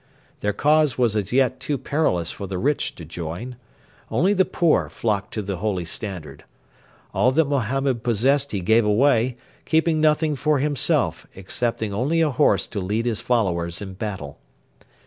Their cause was as yet too perilous for the rich to join. Only the poor flocked to the holy standard. All that Mohammed possessed he gave away, keeping nothing for himself, excepting only a horse to lead his followers in battle.